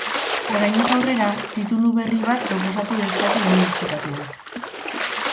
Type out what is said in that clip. Oraindik aurrera, titulu berri bat proposatu dezake unibertsitateak.